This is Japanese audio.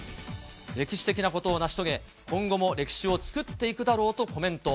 歴史的なことを成し遂げ、今後も歴史を作っていくだろうとコメント。